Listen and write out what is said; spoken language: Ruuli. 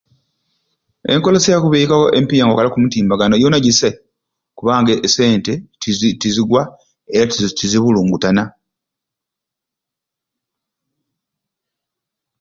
Enkolesya yakubika empiya nga okwakala oku mutimbagano yona jisai kubanga esente tizi tizigwa era tizi tizibulungutana.